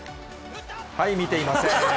はい、見ていません。